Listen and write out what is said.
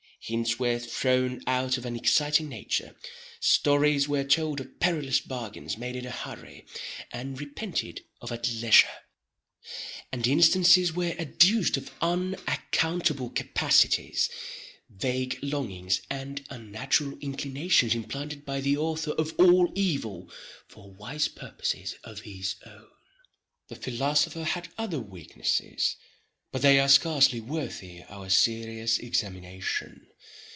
Hints were thrown out of an exciting nature; stories were told of perilous bargains made in a hurry and repented of at leisure; and instances were adduced of unaccountable capacities, vague longings, and unnatural inclinations implanted by the author of all evil for wise purposes of his own. The philosopher had other weaknesses—but they are scarcely worthy our serious examination.